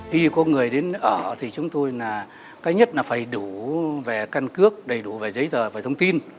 khi có người đến ở thì chúng tôi là cái nhất là phải đủ về căn cước đầy đủ về giấy tờ về thông tin